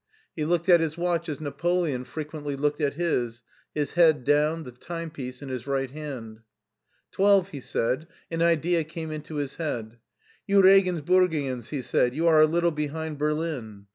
He looked at his watch as Nape* leon frequently looked at his: his head down, the timepiece in his right hand. Twelve/' he said, and an idea came into his head. You Regensburgians," he said, "you are a little behind Berlin."